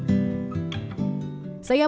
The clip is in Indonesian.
kain ini memiliki beberapa bentuk